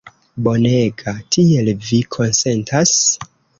Bonega! Tiel, vi konsentas?